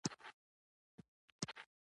نور د تور پوستو پر وړاندې تبعیض نه و.